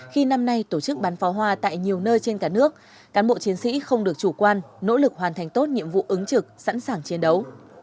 khi năm nay tổ chức bắn pháo hoa tại nhiều nơi trên cả nước cán bộ chiến sĩ không được chủ quan nỗ lực hoàn thành tốt nhiệm vụ ứng trực sẵn sàng chiến đấu